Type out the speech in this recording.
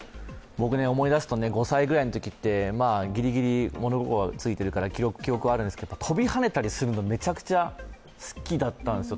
僕、思い出すと５歳ぐらいのときってぎりぎり物心ついているから記憶があるんですけど、跳びはねたりするの、めちゃくちゃ好きだったんですよ。